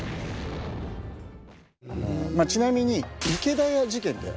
ちなみに池田屋事件って。